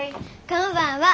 こんばんは。